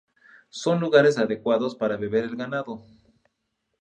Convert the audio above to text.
Son lugares adecuados para beber el ganado.